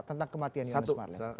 tentang kematian d h palem